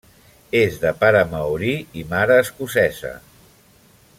És de pare maori i mare escocesa.